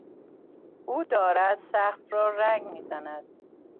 او دارد سقف را رنگ میزند.